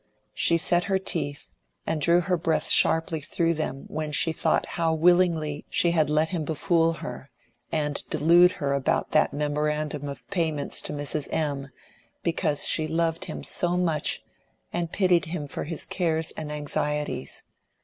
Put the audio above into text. She set her teeth and drew her breath sharply through them when she thought how willingly she had let him befool her, and delude her about that memorandum of payments to Mrs. M., because she loved him so much, and pitied him for his cares and anxieties.